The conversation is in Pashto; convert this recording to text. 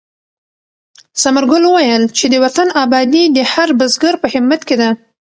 ثمر ګل وویل چې د وطن ابادي د هر بزګر په همت کې ده.